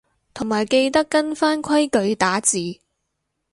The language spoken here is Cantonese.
同埋記得跟返規矩打字